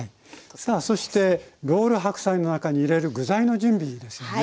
さあそしてロール白菜の中に入れる具材の準備ですよね。